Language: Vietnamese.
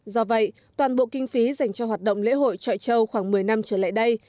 do vậy toàn bộ kinh phí dành cho hoạt động lễ hội trọi châu khoảng một mươi năm trở lại đây